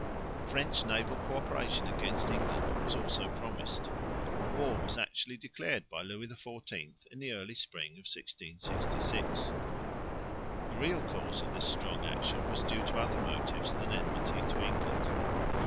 French naval co operation against England was also promised; and war was actually declared by Louis XIV in the early spring of 1666. The real cause of this strong action was due to other motives than enmity to England.